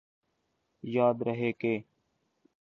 یاد رہے کہ